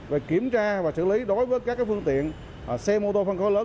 về kiểm tra và xử lý đối với các phương tiện xe mô tô phân khối lớn